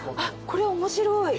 これ面白い。